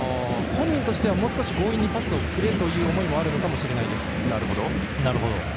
本人としては、もう少し強引にパスをくれという思いがあるのかもしれません。